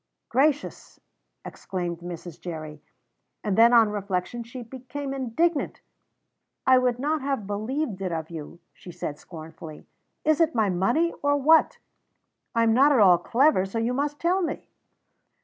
"Gracious!" exclaimed Mrs. Jerry; and then, on reflection, she became indignant. "I would not have believed it of you," she said scornfully. "Is it my money, or what? I am not at all clever, so you must tell me."